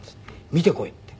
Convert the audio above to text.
「見てこい」って。